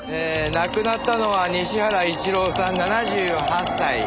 亡くなったのは西原一郎さん７８歳。